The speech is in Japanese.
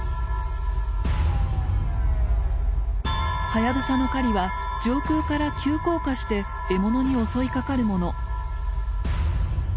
ハヤブサの狩りは上空から急降下して獲物に襲いかかるもの。